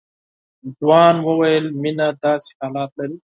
ځوان وويل مينه داسې حالات لري.